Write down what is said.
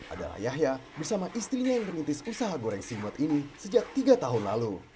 adalah yahya bersama istrinya yang merintis usaha goreng simot ini sejak tiga tahun lalu